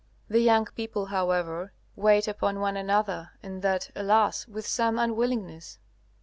The young people, however, wait upon one another, and that alas! with some unwillingness.